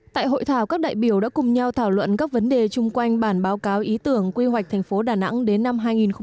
tại hội thảo các đại biểu đã cùng nhau thảo luận các vấn đề chung quanh bản báo cáo ý tưởng quy hoạch thành phố đà nẵng đến năm hai nghìn ba mươi